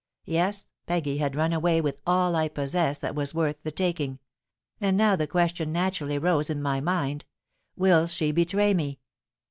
Yes—Peggy had run away with all I possessed that was worth the taking; and now the question naturally rose in my mind—'_Will she betray me?